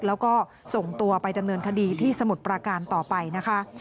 แล้วก็ส่งตัวไปดำเนินคดีที่สมุทรประการต่อไปนะคะ